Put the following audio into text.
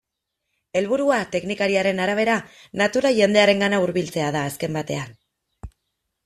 Helburua, teknikariaren arabera, natura jendearengana hurbiltzea da azken batean.